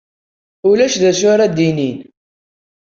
Ulac d acu ara d-inin.